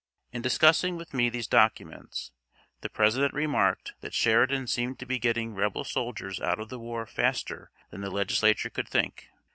In discussing with me these documents, the President remarked that Sheridan seemed to be getting rebel soldiers out of the war faster than the Legislature could think.